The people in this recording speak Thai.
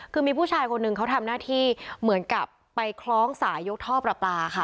คือมีผู้ชายคนหนึ่งเขาทำหน้าที่เหมือนกับไปคล้องสายยกท่อประปาค่ะ